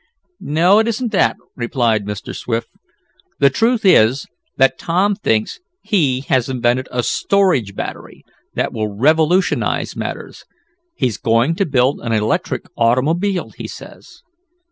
"No, it isn't that," replied Mr. Swift. "The truth is that Tom thinks he has invented a storage battery that will revolutionize matters. He's going to build an electric automobile, he says."